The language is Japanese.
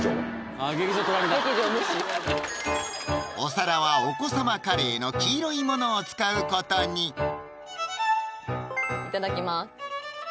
あっ「劇場」取られたお皿はお子様カレーの黄色いものを使うことにいただきます